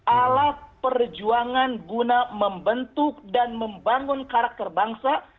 alat perjuangan guna membentuk dan membangun karakter bangsa